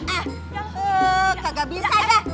eh kagak bisa dah